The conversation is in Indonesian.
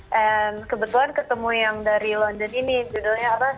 dan kebetulan ketemu yang dari london ini judulnya apa